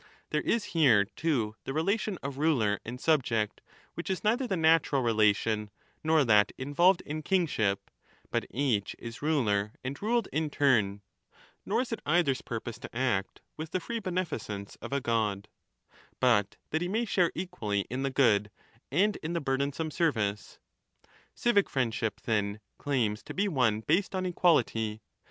^ There is here, too, the relation of ruler and subject which is neither the natural relation, nor that involved in kingship, but each is ruler and ruled in turn ; nor is it cither's purpose to act with the free beneficence of a god,^ 30 but that he may share* equally in the good and in the burdensome service. Civic friendship, then, claims to be one based on equality.